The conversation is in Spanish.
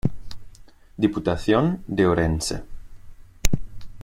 Diputación de Ourense.